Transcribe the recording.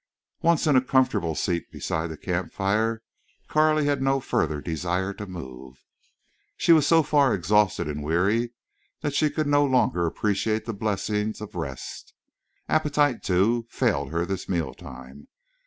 Once in a comfortable seat beside the camp fire, Carley had no further desire to move. She was so far exhausted and weary that she could no longer appreciate the blessing of rest. Appetite, too, failed her this meal time.